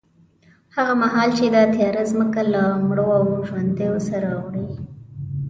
هغه مهال چې دا تیاره ځمکه له مړو او ژوندیو سره اوړي،